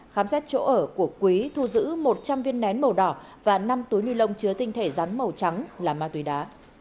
khám xét chỗ ở của quý thu giữ một trăm linh viên nén màu đỏ và năm túi ni lông chứa tinh thể rắn màu trắng là ma túy đá